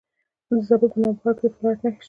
د زابل په نوبهار کې د فلورایټ نښې شته.